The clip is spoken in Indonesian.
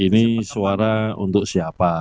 ini suara untuk siapa